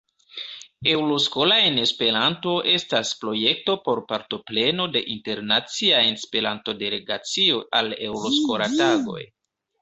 Euroscola-en-Esperanto estas projekto por "partopreno de internacia Esperanto-delegacio al Euroscola-tagoj".